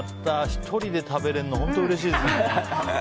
１人で食べれるの本当うれしいですね。